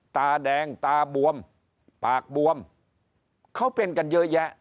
ตาแดงตาบวมปากบวมเขาเป็นกันเยอะแยะ